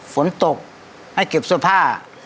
ฝนตกให้เก็บสวรรค์ผ้า